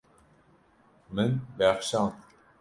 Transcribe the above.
Min bexşand.